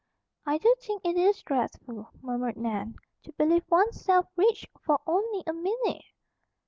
"I do think it is dreadful," murmured Nan, "to believe one's self rich for only a minute!"